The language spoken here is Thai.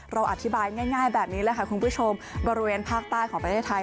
เราอธิบายง่ายแบบนี้แหละค่ะคุณผู้ชมบริเวณภาคใต้ของประเทศไทย